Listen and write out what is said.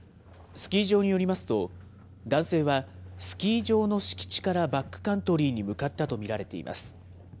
スキー場によりますと、男性はスキー場の敷地からバックカントリーに向かったと見られています。